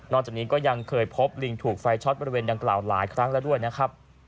จากนี้ก็ยังเคยพบลิงถูกไฟช็อตบริเวณดังกล่าวหลายครั้งแล้วด้วยนะครับ